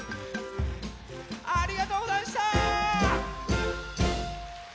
ありがとうござんした！